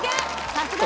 さすがだ！